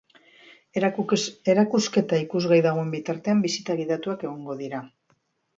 Erakusketa ikusgai dagoen bitartean, bisita gidatuak egongo dira.